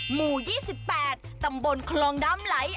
หมู่๒๘ตำบลคลองน้ำไหล